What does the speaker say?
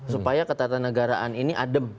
supaya ketatanegaraan ini adem